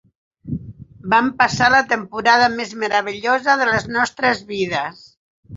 Vam passar la temporada més meravellosa de les nostres vides.